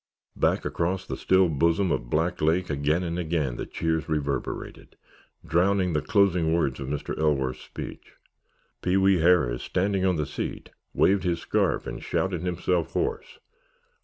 Back across the still bosom of Black Lake, again and again, the cheers reverberated, drowning the closing words of Mr. Ellsworth's speech. Pee wee Harris, standing on the seat, waved his scarf and shouted himself hoarse.